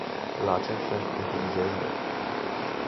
Lačen sem in tudi žejen.